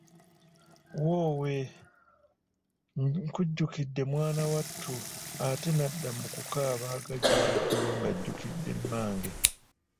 Woowe, nkujjukidde mwanattu ate n'adda mu kukaaba aga jjulujjulu ng'ajjukidde mmange.